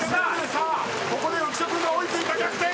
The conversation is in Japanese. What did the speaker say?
さあここで浮所君が追いついた逆転！